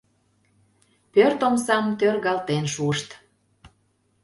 Пӧрт омсам тӧргалтен шуышт.